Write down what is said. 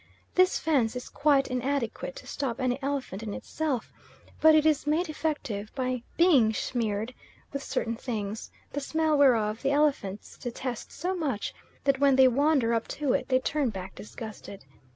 This fence is quite inadequate to stop any elephant in itself, but it is made effective by being smeared with certain things, the smell whereof the elephants detest so much that when they wander up to it, they turn back disgusted.